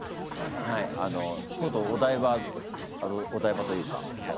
はいとうとうお台場お台場というかはい。